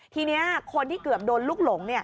ทีนี้คนที่เกือบโดนลูกหลง